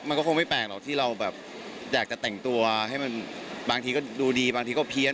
มันก็คงไม่แปลกหรอกที่เราแบบอยากจะแต่งตัวให้มันบางทีก็ดูดีบางทีก็เพี้ยน